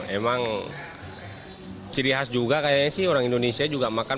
emang ciri khas juga kayaknya sih orang indonesia juga makan